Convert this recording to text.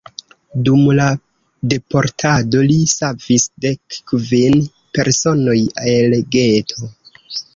Dum la deportado li savis dekkvin personoj el geto.